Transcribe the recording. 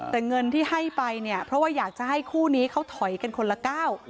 แต่เงินที่ให้ไปเนี่ยเพราะว่าอยากจะให้คู่นี้เขาถอยกันคนละก้าว